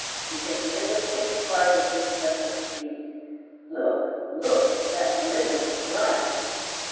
You can hear the quick heart of the tempest beat. Look! look! that livid flash!